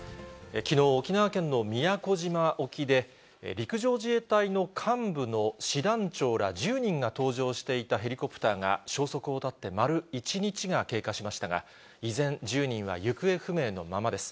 きのう、沖縄県の宮古島沖で、陸上自衛隊の幹部の師団長ら１０人が搭乗していたヘリコプターが消息を絶って丸１日が経過しましたが、依然、１０人は行方不明のままです。